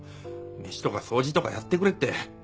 飯とか掃除とかやってくれって。